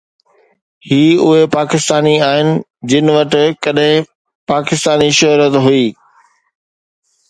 هي اهي ماڻهو آهن جن وٽ ڪڏهن پاڪستاني شهريت هئي